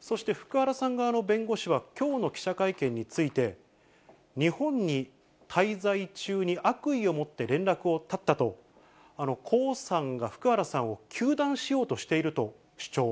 そして福原さん側の弁護士はきょうの記者会見について、日本に滞在中に悪意を持って連絡を絶ったと、江さんが福原さんを糾弾しようとしていると主張。